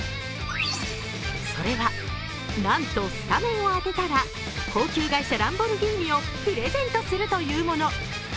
それはなんと、スタメンを当てたら高級外車ランボルギーニをプレゼントするというもの。